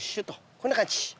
こんな感じ。